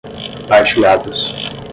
partilhados